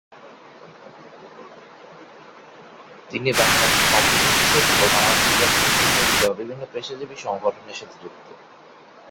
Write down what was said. তিনি Bangladesh computer society ও Bangladesh electronic সোসাইটি-সহ বিভিন্ন পেশাজীবী সংগঠনের সাথে যুক্ত।